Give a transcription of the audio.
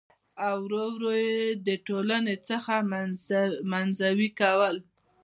او ور ور يې د ټـولنـې څـخـه منـزوي کـول .